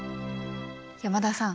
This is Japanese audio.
山田さん。